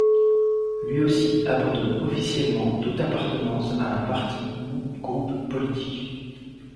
Lui aussi abandonne officiellement toute appartenance à un parti ou groupe politique.